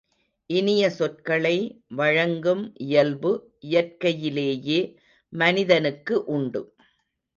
இனிய சொற்களை வழங்கும் இயல்பு இயற்கையிலேயே மனிதனுக்கு உண்டு.